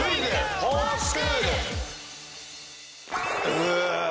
うわ。